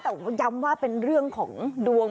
แต่ว่าย้ำว่าเป็นเรื่องของดวง